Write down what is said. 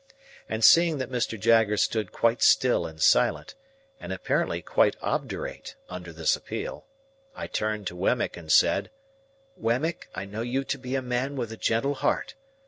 And seeing that Mr. Jaggers stood quite still and silent, and apparently quite obdurate, under this appeal, I turned to Wemmick, and said, "Wemmick, I know you to be a man with a gentle heart.